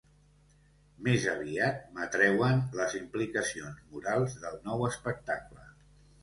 Més aviat m'atreuen les implicacions morals del nou espectacle.